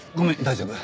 大丈夫。